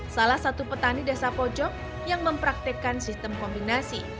salah satu petani desa pojok yang mempraktekkan sistem kombinasi